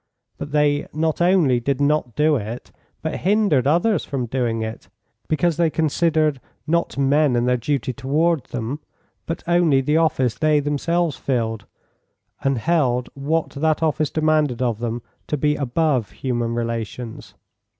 But they not only did not do it, but hindered others from doing it, because they considered not men and their duty towards them but only the office they themselves filled, and held what that office demanded of them to be above human relations.